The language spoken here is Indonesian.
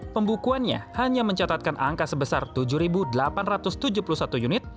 pembukuannya hanya mencatatkan angka sebesar tujuh delapan ratus tujuh puluh satu unit